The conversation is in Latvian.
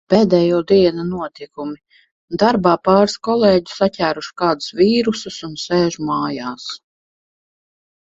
Pēdējo dienu notikumi: Darbā pāris kolēģu saķēruši kādus vīrusus un sēž mājās.